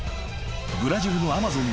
［ブラジルのアマゾン